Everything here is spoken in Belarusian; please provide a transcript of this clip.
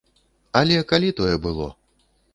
Але калі тое было?